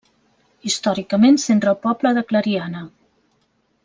Històricament centra el poble de Clariana.